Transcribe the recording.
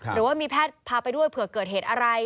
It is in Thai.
หรือว่ามีแพทย์พาไปด้วยเผื่อเกิดเหตุอะไร